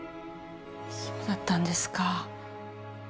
そうだったんですか。